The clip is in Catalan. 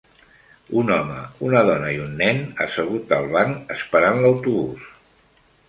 Un home, una dona i un nen assegut al banc esperant l'autobús.